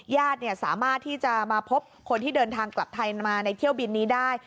ญาติสามารถที่จะมาพบคนที่เดินทางกลับไทยมาในเที่ยวบินนี้ได้